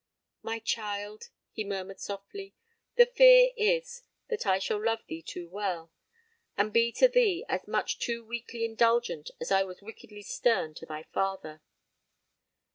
"My child," he murmured softly, "the fear is that I shall love thee too well, and be to thee as much too weakly indulgent as I was wickedly stern to thy father.